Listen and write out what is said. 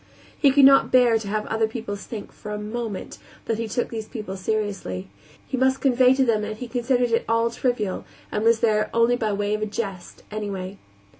He could not bear to have the other pupils think, for a moment, that he took these people seriously; he must convey to them that he considered it all trivial, and was there only by way of a jest, anyway.